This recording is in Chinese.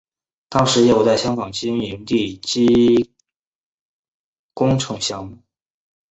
当时业务在香港经营地基工程项目。